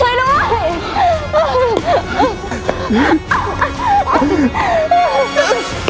ไอ้บ้า